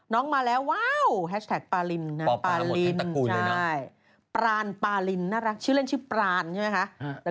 มาแล้วว้าวแฮชแท็กปารินนะปาลินปรานปาลินน่ารักชื่อเล่นชื่อปรานใช่ไหมคะ